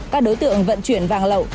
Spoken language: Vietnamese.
các đối tượng vận chuyển vàng lậu